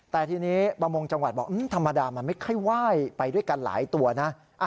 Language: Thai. แต่ทีนี้ประมงจังหวัดบอกธรรมดามันไม่ค่อยไหว้ไปด้วยกันหลายตัวนะ